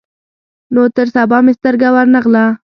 نو تر سبا مې سترګه ور نه غله.